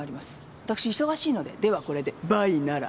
私忙しいのでではこれでバイナラ。